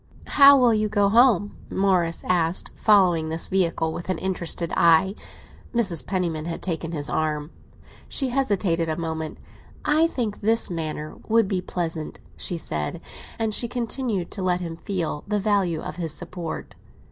"How will you go home?" Morris asked, following this vehicle with an interested eye. Mrs. Penniman had taken his arm. She hesitated a moment. "I think this manner would be pleasant," she said; and she continued to let him feel the value of his support.